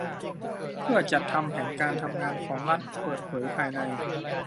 เพื่อจัดทำแผนการทำงานของรัฐเปิดเผยภายใน